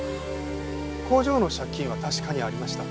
工場の借金は確かにありました。